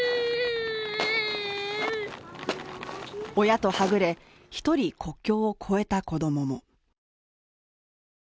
親とはぐれ、１人国境を越えた子供も。